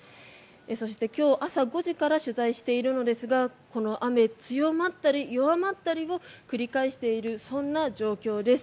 そして今日朝５時から取材をしているんですがこの雨、強まったり弱まったりを繰り返しているそんな状況です。